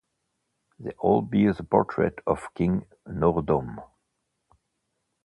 They all bear the portrait of King Norodom.